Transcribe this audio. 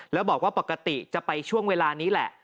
แล้วบอกว่าปกติจะไปช่วงเวลานี้แหละ